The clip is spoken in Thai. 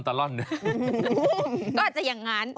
ก็อาจจะอย่างนั้น